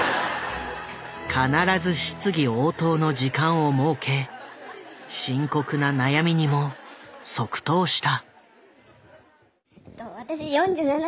必ず質疑応答の時間を設け深刻な悩みにも即答した。